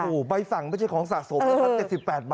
โอ้โฮใบสั่งไม่ใช่ของสะโสมีค่า๗๘ใบ